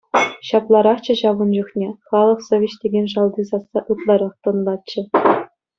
Ҫапларахчӗ ҫав ун чухне, халӑх совеҫ текен шалти сасса ытларах тӑнлатчӗ.